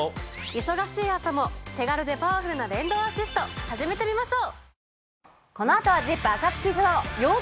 忙しい朝も手軽でパワフルな電動アシスト始めてみましょう。